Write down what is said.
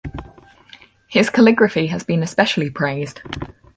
His calligraphy has been especially praised.